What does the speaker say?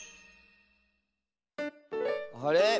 あれ？